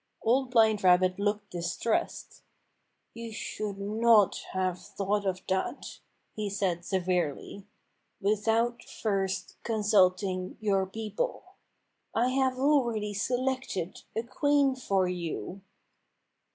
Old Blind Rabbit looked distressed. "You should not have thought of that," he said severely, "without first consulting your people. I have already selected a queen for you!